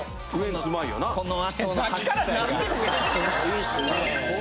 いいっすね。